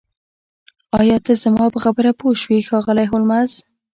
ایا ته زما په خبره پوه شوې ښاغلی هولمز